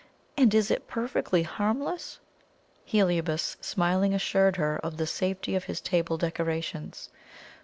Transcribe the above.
And is it perfectly harmless?" Heliobas smilingly assured her of the safety of his table decorations.